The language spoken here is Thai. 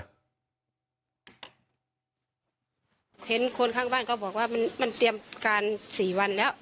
เห็นคนข้างบ้านก็บอกว่ามันเตรียมการ๔วันแล้ว